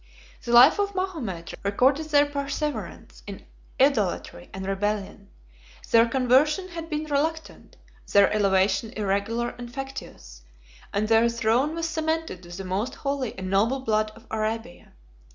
The life of Mahomet recorded their perseverance in idolatry and rebellion: their conversion had been reluctant, their elevation irregular and factious, and their throne was cemented with the most holy and noble blood of Arabia.